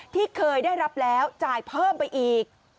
ที่เคยได้รับแล้วจ่ายเพิ่มไปอีก